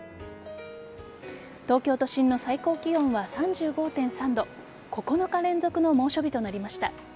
東京都心の最高気温は３５．３度９日連続の猛暑日となりました。